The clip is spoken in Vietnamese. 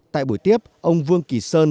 tại buổi tiếp ông vương kỳ sơn